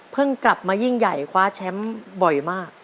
กลับมายิ่งใหญ่คว้าแชมป์บ่อยมาก